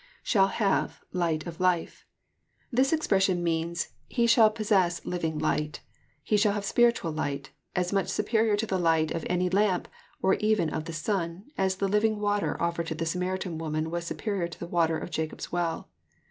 IShall have...light of life."] This expression means,— He n 80 EXFOSITOBY THOUGQTS. shall possess living light. He shall have spiritaal light, as mach superior to the light of any lamp or even of the sun, as the living water offered to the Samaritan woman was superior to the water of Jacob's well."